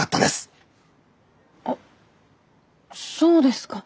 あっそうですか。